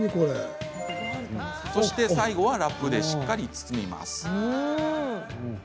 そして最後はラップでしっかり包みます。